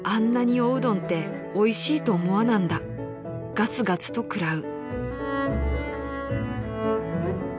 ［「ガツガツと食らう」］